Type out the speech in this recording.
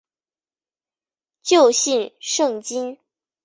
旧姓胜津。